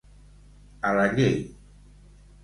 A la llei.